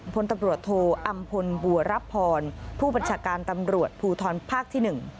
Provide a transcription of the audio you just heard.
พลตำรวจโทอำพลบัวรับพรผู้บัญชาการตำรวจภูทรภาคที่๑